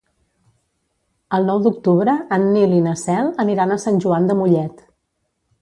El nou d'octubre en Nil i na Cel aniran a Sant Joan de Mollet.